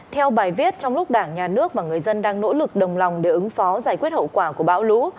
theo bài viết trong lúc đảng nhà nước và người dân đang nỗ lực đồng lòng để ứng phó giải quyết hậu quả của bão lũ